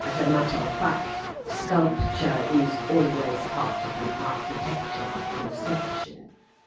As a matter of fact sculpture is always part of an architectural conception.